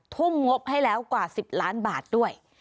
ทุ่มงบให้แล้วกว่า๑๐ล้านบาทด้วย